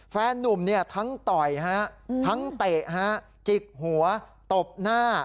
แฟนนุ่มเนี่ยทั้งต่อยทั้งเตะจิกหัวตบหน้า